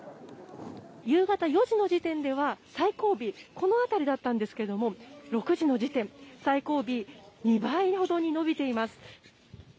夕方４時の時点では最後尾、この辺りだったんですが６時の時点、最後尾２倍ほどに延びています。